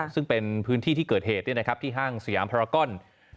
ซึ่งเป็นพื้นที่ที่เกิดเหตุที่ห้างสยามพรากอน